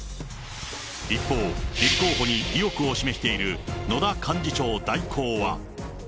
一方、立候補に意欲を示している野田幹事長代行は。